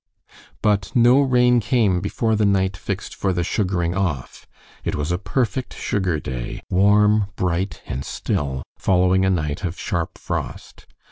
But no rain came before the night fixed for the sugaring off. It was a perfect sugar day, warm, bright, and still, following a night of sharp frost.